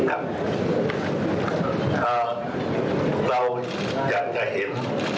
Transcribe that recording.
เราอยากจะเห็น